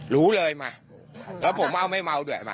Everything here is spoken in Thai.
รู้เลยมาแล้วผมเอาไม่เมาด้วยมา